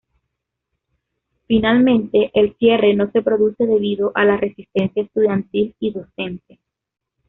Finalmente el cierre no se produce debido a la resistencia estudiantil y docente.